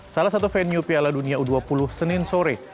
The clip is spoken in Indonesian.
salah satu venue piala dunia u dua puluh senin sore